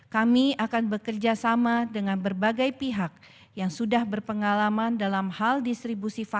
kami akan bekerjasama dengan berbagai pihak yang sudah berpengalaman dalam hal distribusinya